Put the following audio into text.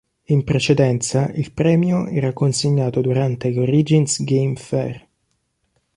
In precedenza il premio era consegnato durante l'Origins Game Fair.